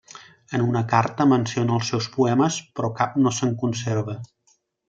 En una carta, menciona els seus poemes, però cap no se'n conserva.